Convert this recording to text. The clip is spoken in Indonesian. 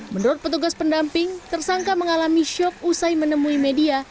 menurut petugas pendamping tersangka mengalami syok usai menemui media